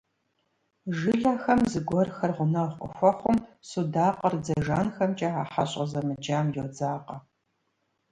Жылэхэм зыгуэрхэр гъунэгъу къыхуэхъум, судакъыр дзэ жанхэмкӀэ а хьэщӀэ зэмыджам йодзакъэ.